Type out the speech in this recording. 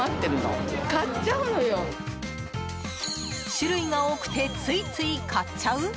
種類が多くてついつい買っちゃう？